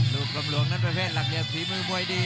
ลูกกำหลวงนั้นประเภทหลักเหลี่ยฝีมือมวยดี